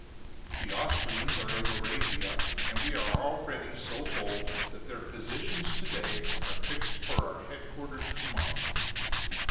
The Austrians are in Moravia, and we are already so bold that their positions to day are fixed for our headquarters to morrow.